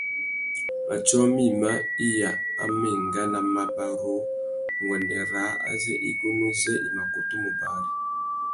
Matiō mïma iya a mà enga nà mabarú nguêndê râā azê igunú zê i mà kutu mù bari.